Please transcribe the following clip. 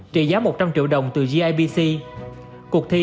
triệu đồng từ gibc cuộc thi